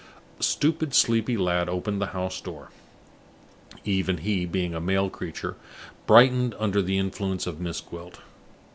A stupid, sleepy lad opened the house door. Even he, being a male creature, brightened under the influence of Miss Gwilt.